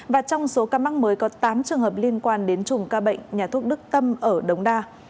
và trong số ca mắc mới có tám trường hợp liên quan đến chùm ca bệnh nhà thuốc đức tâm ở đống đa